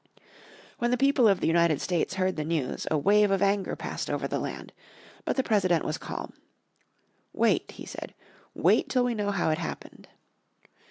When the people of the United States heard the news a wave of anger passed over the land. But the President was calm. "Wait," he said, "wait till we know how it happened."